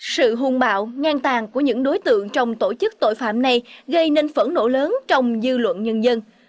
sự hùng bạo ngang tàn của những đối tượng trong tổ chức tội phạm này gây nên phẫn nổ lớn trong dư luận nhân dân